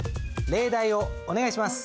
例題をお願いします。